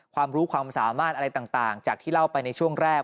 ความรู้ความสามารถอะไรต่างจากที่เล่าไปในช่วงแรก